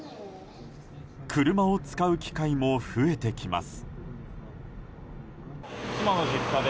車を使う機会も増えてきます。